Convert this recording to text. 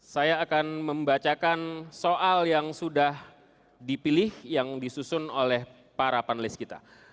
saya akan membacakan soal yang sudah dipilih yang disusun oleh para panelis kita